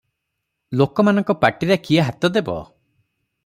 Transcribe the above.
ଲୋକମାନଙ୍କ ପାଟିରେ କିଏ ହାତଦେବ?